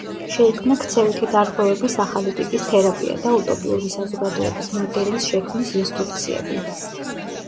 შეიქმნა ქცევითი დარღვევების ახალი ტიპის თერაპია და უტოპიური საზოგადოების მოდელის შექმნის ინსტრუქციები.